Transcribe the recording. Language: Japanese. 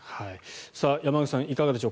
山口さん、いかがでしょう。